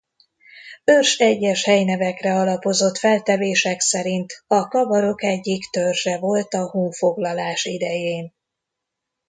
Örs egyes helynevekre alapozott feltevések szerint a kabarok egyik törzse volt a honfoglalás idején.